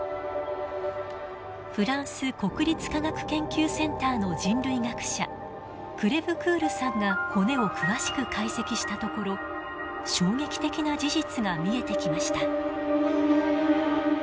フランス国立科学研究センターの人類学者クレヴクールさんが骨を詳しく解析したところ衝撃的な事実が見えてきました。